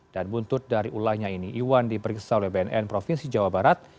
dan buntut dari ulahnya ini iwan diperiksa oleh bnn provinsi jawa barat